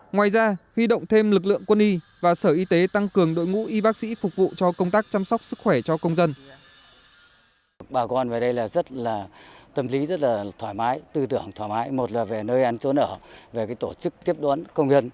ngoài ra huy động thêm lực lượng quân y và sở y tế tăng cường đội ngũ y bác sĩ phục vụ cho công tác chăm sóc sức khỏe cho công dân